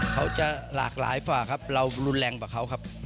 เขาจะหลากหลายฝ่าครับเรารุนแรงกว่าเขาครับ